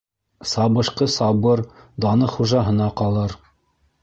Сабышҡы сабыр, даны хужаһына ҡалыр.